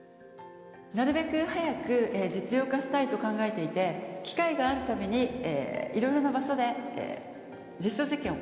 なるべく早く実用化したいと考えていて機会がある度にいろいろな場所で実証実験を行っています。